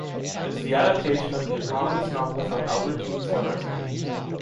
It is the adaptation of the eponymous novel from Albertine Sarrazin.